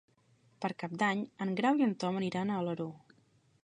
Per Cap d'Any en Grau i en Tom aniran a Alaró.